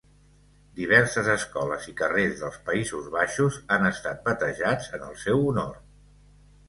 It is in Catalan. Diverses escoles i carrers dels Països Baixos han estat batejats en el seu honor.